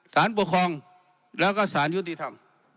สารปกครองแล้วก็สารยุติธรรม